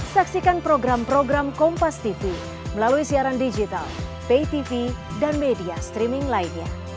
saksikan program program kompastv melalui siaran digital paytv dan media streaming lainnya